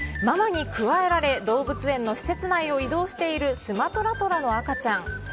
ママにくわえられ、動物園の施設内を移動しているスマトラトラの赤ちゃん。